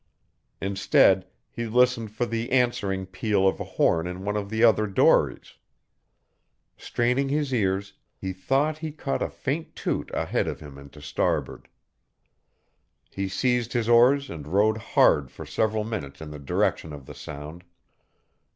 Instead, he listened for the answering peal of a horn in one of the other dories. Straining his ears, he thought he caught a faint toot ahead of him and to starboard. He seized his oars and rowed hard for several minutes in the direction of the sound.